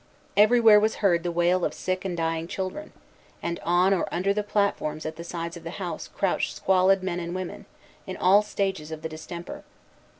Everywhere was heard the wail of sick and dying children; and on or under the platforms at the sides of the house crouched squalid men and women, in all the stages of the distemper.